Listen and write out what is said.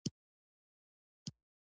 په لاره کې موټر تېر شو